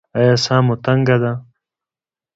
ایا ساه مو تنګه ده؟